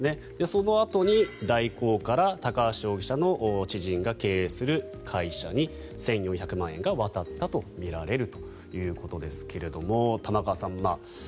そのあとに大広から高橋容疑者の知人が経営する会社に１４００万円が渡ったとみられるということですが玉川さん